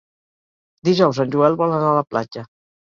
Dijous en Joel vol anar a la platja.